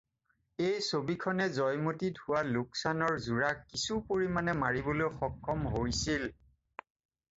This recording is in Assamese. এই ছবিখনে জয়মতীত হোৱা লোকচানৰ জোৰা কিছু পৰিমাণে মাৰিবলৈ সক্ষম হৈছিল।